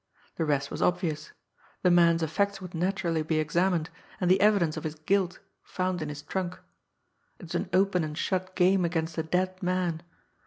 The rest was obvious. The man's effects would naturally be examined, and the evidence of his "guilt" found in his trunk. It was an open and shut game against a dead man!